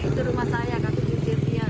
itu rumah saya kasih usir dia